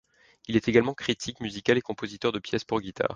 Il est également critique musical et compositeur de pièces pour guitare.